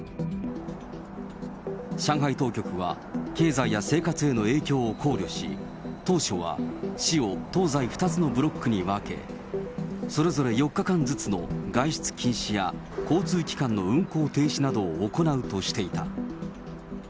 上海当局は、経済や生活への影響を考慮し、当初は市を東西２つのブロックに分け、それぞれ４日間ずつの外出禁止や、交通機関の運行停止などを行うとしていた。